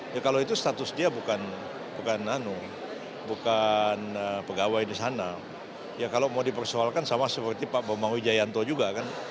ya kalau itu status dia bukan pegawai di sana ya kalau mau dipersoalkan sama seperti pak bambang wijayanto juga kan